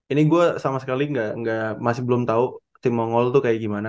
ini gua sama sekali masih belum tau tim mongol itu kayak gimana